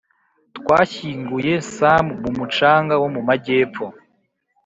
twashyinguye sam mu mucanga wo mu majyepfo